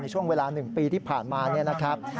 ช่วงเวลา๑ปีที่ผ่านมาเนี่ยนะครับ